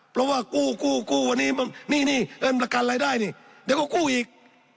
เพราะว่ากู้กู้วันนี้นี่เงินประกันรายได้นี่เดี๋ยวก็กู้อีก